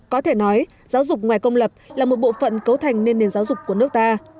có thể nói giáo dục ngoài công lập là một bộ phận cấu thành nền giáo dục của nước ta